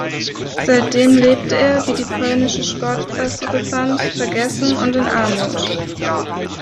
Seitdem lebte er, wie die polnische Sportpresse befand, "vergessen und in Armut".